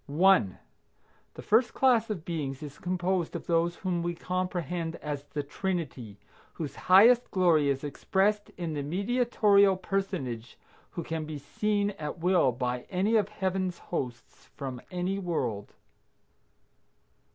1. The first class of beings is composed of those whom we comprehend as the Trinity, whose highest glory is expressed in the Mediatorial personage who can be seen at will by any of Heaven's hosts from any world.